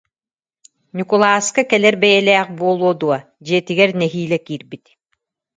Ньукулааскы кэлэр бэйэлээх буолуо дуо, дьиэтигэр нэһиилэ киирбит